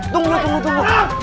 tunggu tunggu tunggu